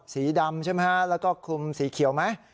สีดำใช่ไหมฮะแล้วก็คลุมสีเขียวไหม